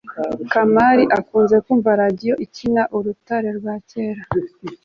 kamali akunze kumva radio ikina urutare rwa kera